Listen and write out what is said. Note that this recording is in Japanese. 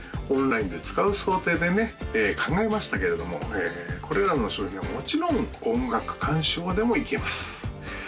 オンラインで使う想定でね考えましたけれどもこれらの商品はもちろん音楽鑑賞でもいけます